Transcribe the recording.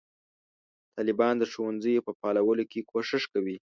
طالبان د ښوونځیو په فعالولو کې کوښښ کوي.